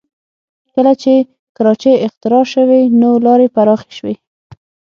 کله چې کراچۍ اختراع شوې نو لارې پراخه شوې